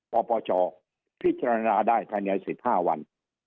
ปปชพิจารณาได้ภายใน๑๕วัน